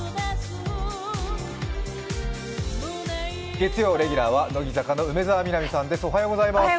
月曜レギュラーは乃木坂の梅澤美波さんです。